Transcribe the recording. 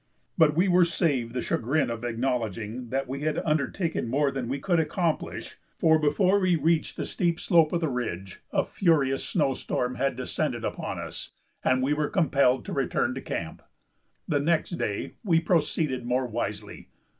But we were saved the chagrin of acknowledging that we had undertaken more than we could accomplish, for before we reached the steep slope of the ridge a furious snow storm had descended upon us and we were compelled to return to camp. The next day we proceeded more wisely.